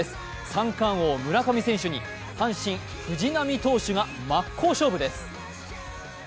三冠王・村上選手に阪神・藤浪投手が真っ向勝負です。